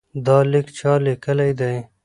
دا لیک چا لیکلی دی؟